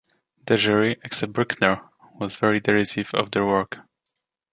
The jury, except Bruckner, was very derisive of the work.